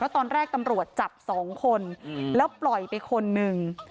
ตอนแรกตำรวจจับ๒คนแล้วปล่อยไปคนหนึ่ง